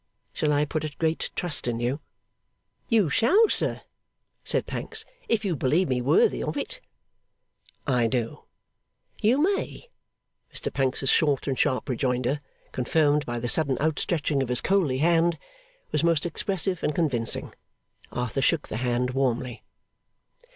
Shall I put a great trust in you?' 'You shall, sir,' said Pancks, 'if you believe me worthy of it.' 'I do.' 'You may!' Mr Pancks's short and sharp rejoinder, confirmed by the sudden outstretching of his coaly hand, was most expressive and convincing. Arthur shook the hand warmly.